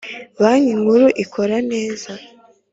Banki nkuru ikora neze.